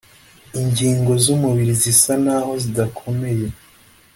Ingingo z umubiri zisa naho zidakomeye